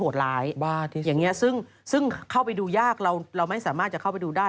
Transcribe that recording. อย่างนี้ซึ่งเข้าไปดูยากเราเราไม่สามารถจะเข้าไปดูได้